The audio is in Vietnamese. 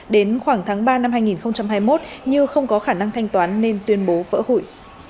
đến khoảng tháng ba năm hai nghìn hai mươi một như không có khả năng thanh toán nên tuyên bố vỡ hủy